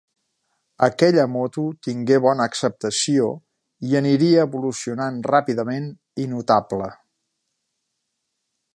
Aquella moto tingué bona acceptació i aniria evolucionant ràpidament i notable.